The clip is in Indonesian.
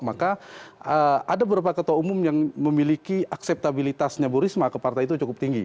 maka ada beberapa ketua umum yang memiliki akseptabilitasnya bu risma ke partai itu cukup tinggi